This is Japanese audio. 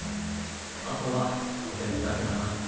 あとはこてつだけだな。